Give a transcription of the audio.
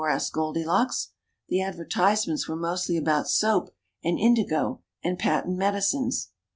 asked Goldilocks. The advertisements were mostly about soap, and indigo, and patent medicines.